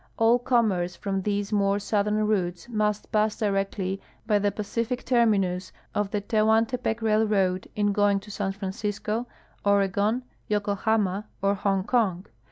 All commerce from these more southern routes must pass directly by the Pacific terminus of the Tehuantepec railroad in going to San Francisco, Oregon, Yokohama, or Hongkong.